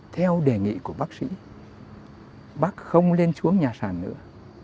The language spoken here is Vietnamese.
theo đề nghị của bác sĩ bác không lên xuống nhà sàn nữa